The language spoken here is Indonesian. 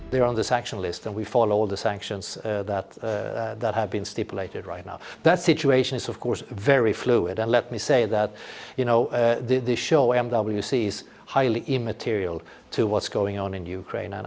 dan hati kita berdengar untuk orang orang di ukraina